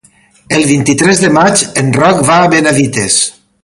El vint-i-tres de maig en Roc va a Benavites.